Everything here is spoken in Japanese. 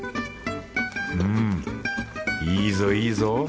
うんいいぞいいぞ。